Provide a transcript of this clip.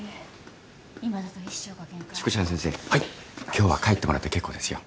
今日は帰ってもらって結構ですよ。